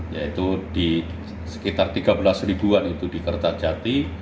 yaitu di sekitar tiga belas ribuan itu di kertajati